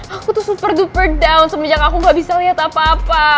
aku tuh super doper down semenjak aku gak bisa lihat apa apa